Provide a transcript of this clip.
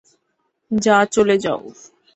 যা চলে যাও।